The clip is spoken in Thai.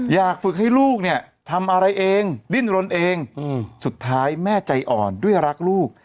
อยากฝึกให้ลูกเนี่ยทำอะไรเองดิ้นรนเองสุดท้ายแม่ใจอ่อนด้วยรักลูก